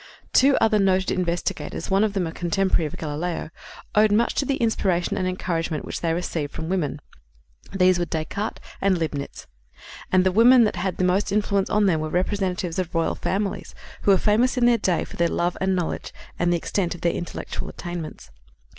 Two other noted investigators, one of them a contemporary of Galileo, owed much to the inspiration and encouragement which they received from women. These were Descartes and Leibnitz. And the women that had the most influence on them were representatives of royal families, who were famous in their day for their love and knowledge and the extent of their intellectual attainments.